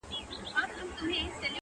قاضي و ویل حاضر کئ دا نا اهله,